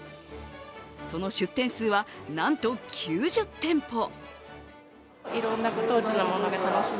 その出店数は、なんと９０店舗。